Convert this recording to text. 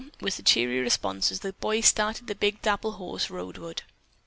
was the cheery response as the boy started the big dapple horse roadward.